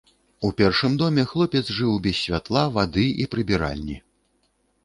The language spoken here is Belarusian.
У першым доме хлопец жыў без святла, вады і прыбіральні.